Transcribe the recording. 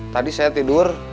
tadi saya tidur